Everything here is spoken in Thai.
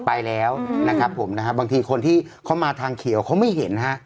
ไปแล้วนะครับผมนะฮะบางทีคนที่เขามาทางเขียวเขาไม่เห็นฮะ